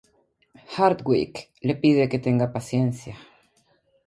Hartwig, le pide que tenga paciencia.